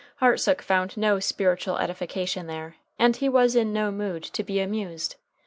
Hartsook found no spiritual edification there, and he was in no mood to be amused.